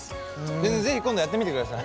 是非今度やってみてください。